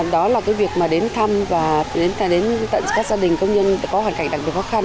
đó là cái việc mà đến thăm và đến tận các gia đình công nhân có hoàn cảnh đặc biệt khó khăn